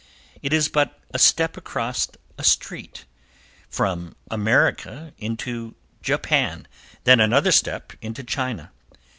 It is but a step across a street from America into Japan, then another step into China.